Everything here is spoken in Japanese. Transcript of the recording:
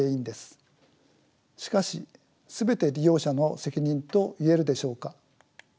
しかし全て利用者の責任と言えるでしょうか。